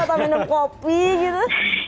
atau minum kopi gitu